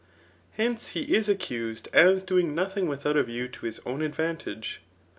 Hence, he is accused as doing nothing without a view to his own advantage.